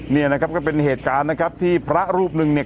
เนี่ยนะครับก็เป็นเหตุการณ์นะครับที่พระรูปหนึ่งเนี่ย